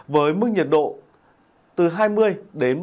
với mức nhiệt độ từ hai mươi ba mươi bốn độ có nơi vượt ngưỡng ba mươi bốn độ